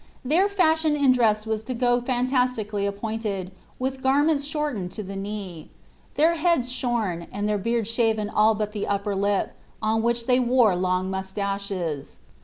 Their fiuhioQ in dress was to go fantastically appointed, with garments short ened to the knee. Their heads shorn, and their beards shaven all but the upper lip, on which they wore long moustaches.